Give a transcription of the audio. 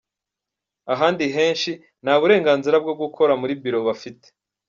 Ahandi henshi, nta burenganzira bwo gukora mu Bureau bafite.